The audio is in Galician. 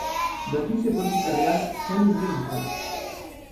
Da crise política real xa ninguén fala.